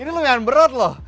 ini lumayan berat loh